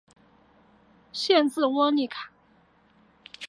县治窝利卡。